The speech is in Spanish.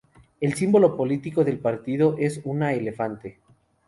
El símbolo político del partido es una elefante.